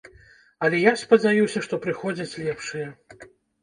Але я спадзяюся, што прыходзяць лепшыя.